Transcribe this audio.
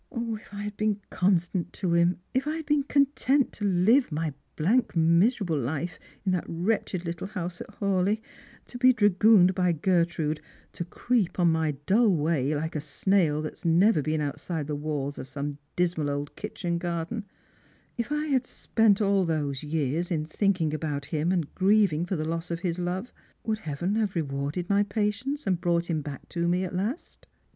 If I had been constant to him, if I had been content to live my blank miserable life in that wretched little house at Haw leigh, to be dragooned by Gertrude, to creep on my dull way like a snail that has never been outside the walls of some dismal old kitchen garden, — if I had spent all these years in thinking about him and grieving for the loss of his love, would Heaven have rewarded my patience, and brought him back to me at last